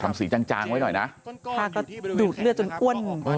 สีจางจางไว้หน่อยนะผ้าก็ดูดเลือดจนอ้วน